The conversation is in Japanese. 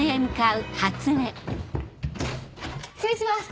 失礼します！